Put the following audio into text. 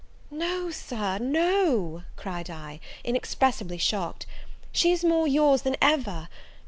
"No, Sir, no," cried I, inexpressibly shocked, "she is more your's than ever!